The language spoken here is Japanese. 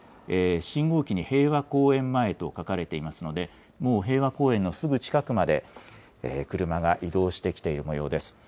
信号機に平和公園前と書かれていますので、もう平和公園のすぐ近くまで車が移動してきているもようです。